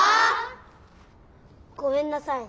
ごめんなさい。